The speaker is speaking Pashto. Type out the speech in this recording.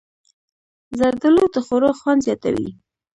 زردالو د خوړو خوند زیاتوي.